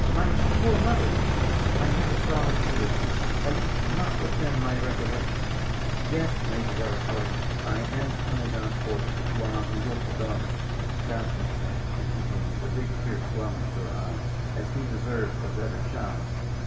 "My poor mother, I never saw her either, at least not within my recollection. Yes, Major Delacroix, I am Colonel John Forester's wild and wilful daughter. God bless him," she continued, a big tear swelling to her eye, "as he deserves a better child."